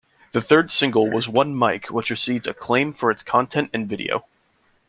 The third single was "One Mic", which received acclaim for its content and video.